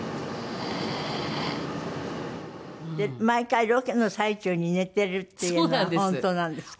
毎回ロケの最中に寝てるっていうのは本当なんですか？